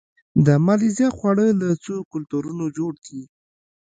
د مالیزیا خواړه له څو کلتورونو جوړ دي.